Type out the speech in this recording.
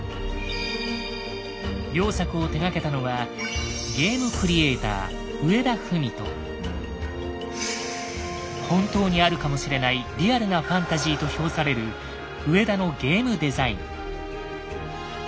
両作を手がけたのは本当にあるかもしれないリアルなファンタジーと評される上田のゲームデザイン。